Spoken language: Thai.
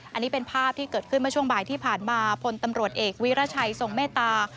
อันนี้เป็นภาพที่เกิดขึ้นเมื่อช่วงบ่ายที่ผ่านมาพลตำรวจเอกวิรัชัยทรงเมตตา